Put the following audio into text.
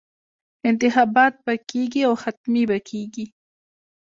انتخابات به کېږي او حتمي به کېږي.